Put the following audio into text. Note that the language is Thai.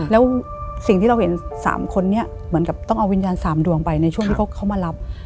แล้วสิ่งที่เราเห็น๓คนนี้เหมือนกับต้องเอาวิญญาณ๓ดวงไปในช่วงที่เขามารับ